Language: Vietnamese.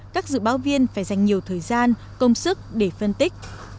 các dự báo viên phải dành nhiều thời gian công sức để phân tích